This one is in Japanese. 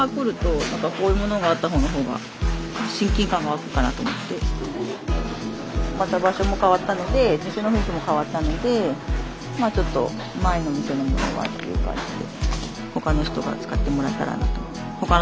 大したことないんですけどまた場所も変わったので店の雰囲気も変わったのでまあちょっと前の店のものはっていう感じで。